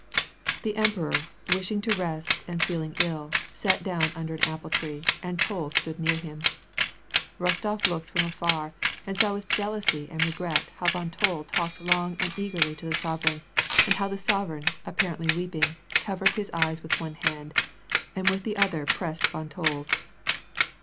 The emperor, wishing to rest, and feeling ill, sat down under an apple tree, and Toll stood near him. Rostof looked from afar, and saw with jealousy and regret how voii Toll talked long and eagerly to the sovereign, and how the sove reign, apparently weeping, covered his eyes with one hand, and with the other pressed von Toll's.